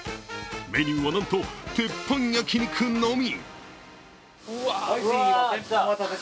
メニューはなんと、鉄板焼肉のみ。